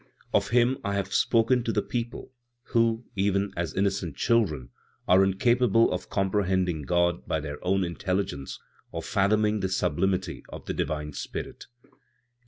"Of Him I have spoken to the people, who even as innocent children are incapable of comprehending God by their own intelligence, or fathoming the sublimity of the divine Spirit; 8.